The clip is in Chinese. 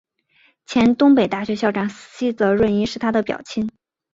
前东北大学校长西泽润一是他的表亲。